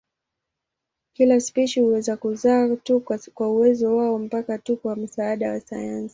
Kila spishi huweza kuzaa tu kwa uwezo wao mpaka tu kwa msaada wa sayansi.